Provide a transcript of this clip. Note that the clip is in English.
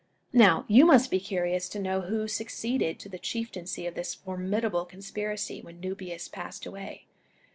Now, you must be curious to know who succeeded to the Chieftaincy of this formidable conspiracy when Nubius passed away.